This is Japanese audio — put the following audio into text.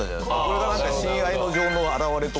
これがなんか親愛の情の表れとか。